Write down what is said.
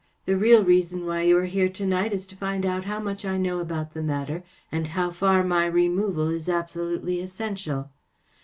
The real reason why you are here to night is to find out how much I know about the matter and how far my removal is absolutely essential.